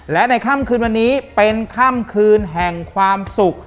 และในค่ำคืนวันนี้เป็นค่ำคืนแห่งความสุข